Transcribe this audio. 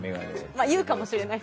言うかもしれない。